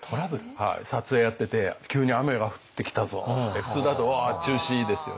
撮影やってて急に雨が降ってきたぞって普通だと中止ですよね。